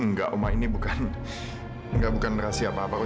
enggak oma ini bukan rahasia apa apa